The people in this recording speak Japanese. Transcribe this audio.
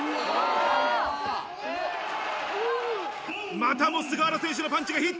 またも菅原選手のパンチがヒット！